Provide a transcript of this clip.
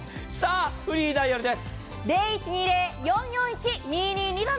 フリーダイヤルです。